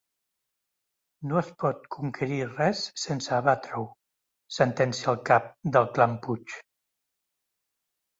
No es pot conquerir res sense abatre-ho — sentencia el cap del clan Puig—.